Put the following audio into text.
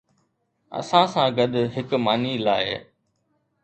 اسان سان گڏ هڪ ماني لاء